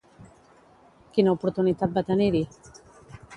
Quina oportunitat va tenir-hi?